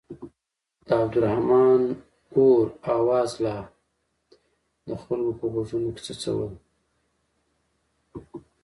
د عبدالرحمن اور اواز لا د خلکو په غوږونو کې څڅول.